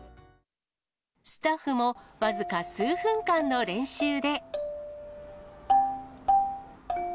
スタッフも僅か数分間の練習で。